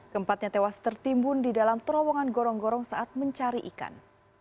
keempatnya tewas tertimbun di dalam terowongan gorong gorong saat mencari ikan